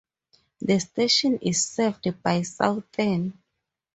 The station is served by Southern.